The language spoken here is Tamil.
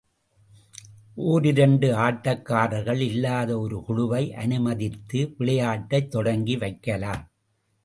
ஓரிரண்டு ஆட்டக்காரர்கள் இல்லாத ஒரு குழுவை அனுமதித்து, விளையாட்டைத் தொடங்கி வைக்கலாம்.